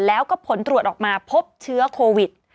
แล้วก็ผลตรวจออกมาพบเชื้อโควิด